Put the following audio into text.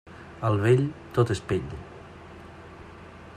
El vell, tot és pell.